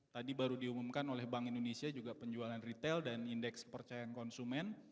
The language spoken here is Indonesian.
tadi baru diumumkan oleh bank indonesia juga penjualan retail dan indeks kepercayaan konsumen